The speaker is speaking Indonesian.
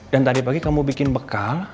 dan tadi pagi kamu bikin bekal